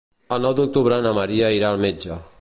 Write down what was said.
El nou d'octubre na Maria irà al metge.